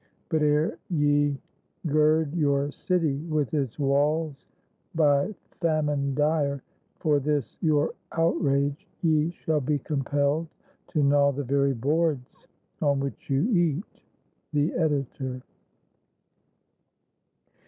But ere ye gird Your city with its walls, by famine dire, For this your outrage, ye shall be compelled To gnaw the very boards on which you eat." The Editor.